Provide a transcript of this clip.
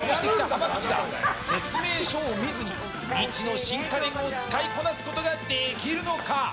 世界の強豪をなぎ倒してきた浜口が説明書を見ずに未知の新家電を使いこなすことができるのか。